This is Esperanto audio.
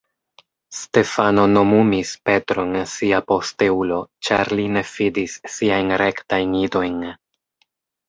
Stefano nomumis Petron sia posteulo, ĉar li ne fidis siajn rektajn idojn.